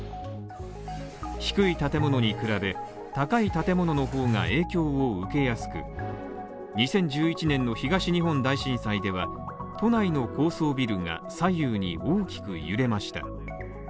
低い建物に比べ高い建物の方が影響を受けやすく、２０１１年の東日本大震災では、都内の高層ビルが左右に大きく揺れました。